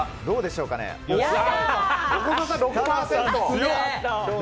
横澤さん、６％。